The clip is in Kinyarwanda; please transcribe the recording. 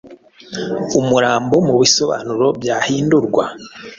umurambo mubisobanuro byahindurwa